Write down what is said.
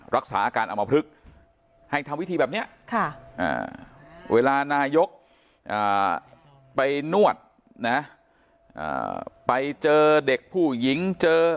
รักษาอาการอมพลึกให้ทำวิธีแบบนี้เวลานายกไปนวดนะไปเจอเด็กผู้หญิงเจอ